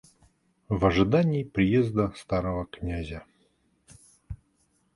В ожидании приезда старого князя.